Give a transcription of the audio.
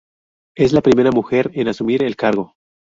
Es la primera mujer en asumir el cargo.